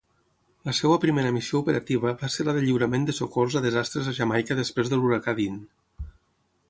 La seva primera missió operativa va ser la de lliurament de socors a desastres a Jamaica després de l'huracà Dean.